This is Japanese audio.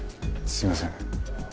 すいません。